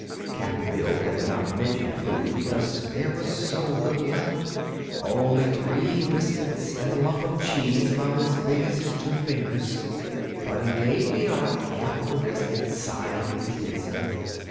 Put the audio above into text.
Cap'n Bill had not mentioned food because there was so little left only three biscuits and a lump of cheese about as big as his two fingers but he gave the Ork half of a biscuit, sighing as he did so.